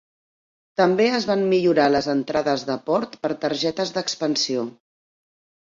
També es van millorar les entrades de port per targetes d'expansió.